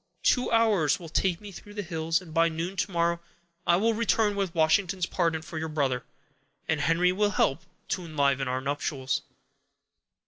Two hours will take me through the hills; and by noon to morrow I will return with Washington's pardon for your brother, and Henry will help to enliven our nuptials."